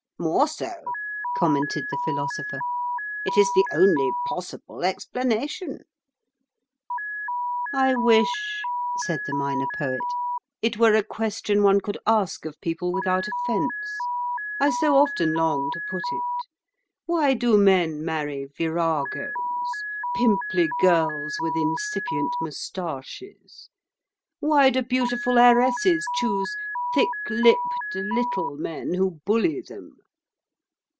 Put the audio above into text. "More so," commented the Philosopher. "It is the only possible explanation." "I wish," said the Minor Poet, "it were a question one could ask of people without offence; I so often long to put it. Why do men marry viragoes, pimply girls with incipient moustaches? Why do beautiful heiresses choose thick lipped, little men who bully them?